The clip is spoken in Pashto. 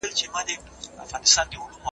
آیا مساوات تر توپیر عادلانه دی؟